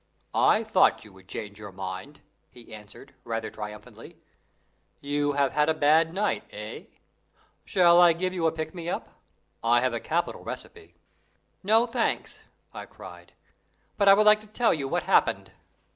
"I thought you would change your mind," he answered, rather triumphantly. "You have had a bad night, eh? Shall I make you a pick me up? I have a capital recipe." "No, thanks," I cried. "But I would like to tell you what happened."